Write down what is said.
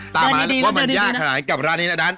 เติมดีแล้วเติมดีนะว่ามันยากขนาดนี้นาโดน